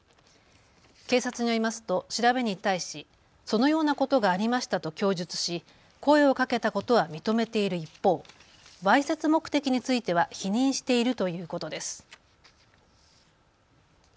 警察によりますと調べに対しそのようなことがありましたと供述し、声をかけたことは認めている一方、わいせつ目的については否認しているということです。